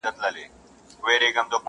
په فریاد یې وو پر ځان کفن څیرلی٫